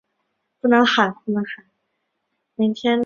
朝天区是中国四川省广元市所辖的一个市辖区。